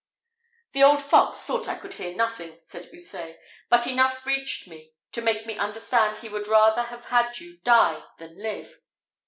"The old fox thought I could hear nothing," said Houssaye; "but enough reached me to make me understand he would rather have had you die than live.